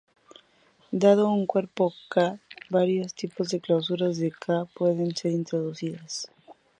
Dado un cuerpo "k", varios tipos de clausura de "k" pueden ser introducidas.